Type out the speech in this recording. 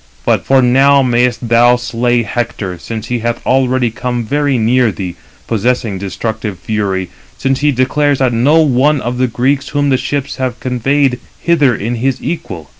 For now mayest thou slay Hector, since he hath already come very near thee, possessing destructive fury; since he declares that no one of the Greeks whom the ships have conveyed hither is his equal."